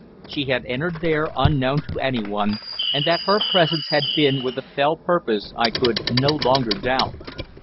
She had entered there unknown to anyone, and that her presence had been with a fell purpose I could no longer doubt.